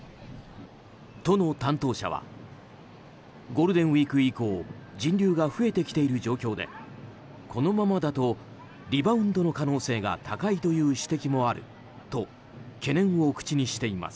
都の担当者はゴールデンウィーク以降人流が増えてきている状況でこのままだとリバウンドの可能性が高いという指摘もあると懸念を口にしています。